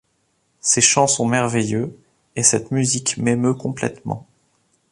Ces chants sont merveilleux, et cette musique m'émeut complètement.